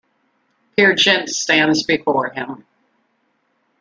Peer Gynt stands before him.